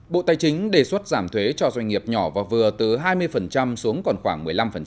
bộ tài chính đề xuất giảm thuế cho doanh nghiệp nhỏ và vừa từ hai mươi xuống còn khoảng một mươi năm